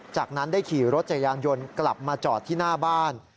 จากนั้นได้ขี่รถจักรยานยนต์กลับมาจอดที่หน้าบ้าน